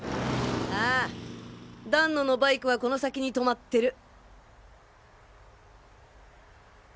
ああ団野のバイクはこの先にとまってる。